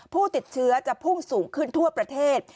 ผู้ติดเชื้อจะพุ่งสูงขึ้นทั่วประเทศ